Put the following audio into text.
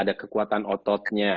ada kekuatan ototnya